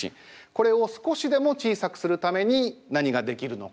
これを少しでも小さくするために何ができるのか。